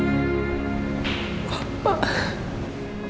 baiklah jangan marah punkt siamo percaya kurang